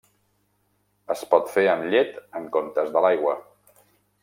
Es pot fer amb llet en comptes de l'aigua.